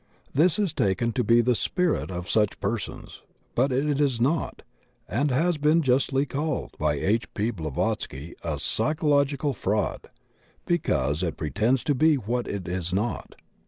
This is taken to be the "spirit" of such persons, but it is not, and has been justly called by H. P. Blavatsky a "psychological fraud," because it pretends to be what it is not.